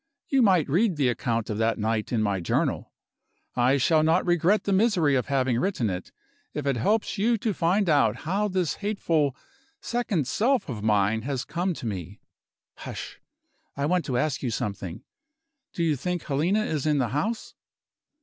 You might read the account of that night in my journal. I shall not regret the misery of having written it, if it helps you to find out how this hateful second self of mine has come to me. Hush! I want to ask you something. Do you think Helena is in the house?"